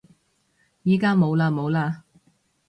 而家冇嘞冇嘞